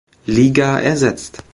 Liga ersetzt.